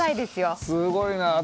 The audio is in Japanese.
すごいな。